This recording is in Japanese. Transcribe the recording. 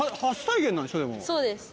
そうです。